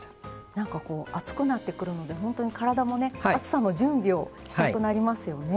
なんかこう暑くなってくるのでほんとに体もね暑さの準備をしたくなりますよね。